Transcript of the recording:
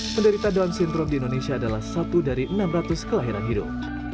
penderita down syndrome di indonesia adalah satu dari enam ratus kelahiran hidup